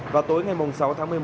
vào tối ngày sáu tháng một mươi một